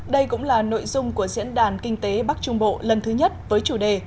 đây cũng là nội dung của diễn đàn kinh tế bắc trung bộ lần thứ nhất với chủ đề